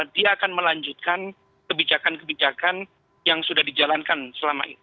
dia akan melanjutkan kebijakan kebijakan yang sudah dijalankan selama ini